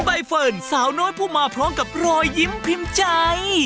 ใบเฟิร์นสาวน้อยผู้มาพร้อมกับรอยยิ้มพิมพ์ใจ